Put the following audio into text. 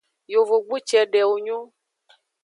Yovogbu cedewo nyon.